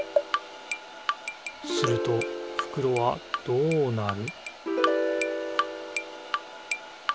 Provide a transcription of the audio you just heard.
するとふくろはどうなる？